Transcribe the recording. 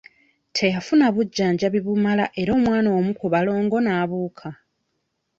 Teyafuna bujjanjabi bumala era omwana omu ku balongo n'abuuka.